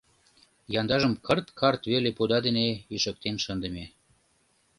Яндажым кырт-карт веле пуда дене ишыктен шындыме.